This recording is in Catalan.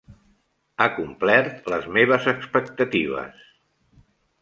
Ha complert les meves expectatives.